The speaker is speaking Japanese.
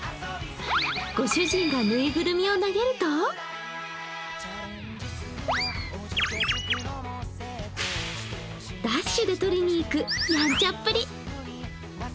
ご主人が縫いぐるみを投げるとダッシュでとりに行くやんちゃっぷり。